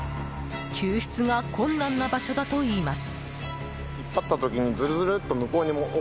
救出が困難な場所だといいます。